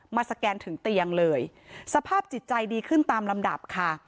สแกนถึงเตียงเลยสภาพจิตใจดีขึ้นตามลำดับค่ะ